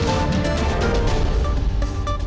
terima kasih dok